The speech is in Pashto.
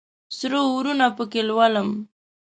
سره اورونه پکښې لولم